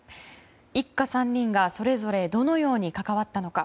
一家３人がそれぞれどのように関わったのか。